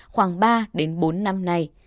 khoảng ba bốn năm nay